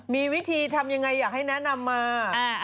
มีวิธีทำยังไงอยากให้แนะนำมา